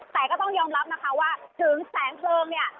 แต่ก็ต้องยอมรับนะคะว่าถึงแสงเพลิงเนี่ย